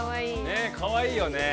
ねえかわいいよね。